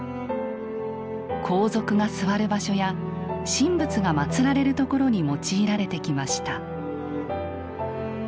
皇族が座る場所や神仏が祀られるところに用いられてきました。